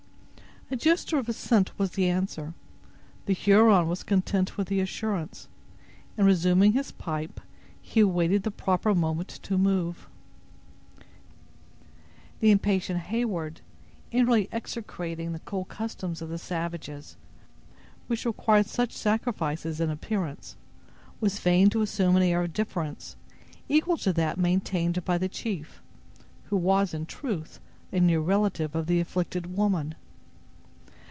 A gesture of assent was the answer. The Huron was content with the assurance, and, resuming his pipe, he awaited the proper moment to move. The impatient Heyward, inwardly execrating the cold customs of the savages, which required such sacrifices to appearance, was fain to assume an air of indifference, equal to that maintained by the chief, who was, in truth, a near relative of the afflicted woman.